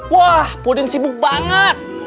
wah pudin sibuk banget